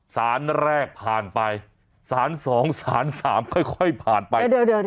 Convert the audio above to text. สารแรกผ่านไปสาร๒สาร๓ค่อยผ่านไป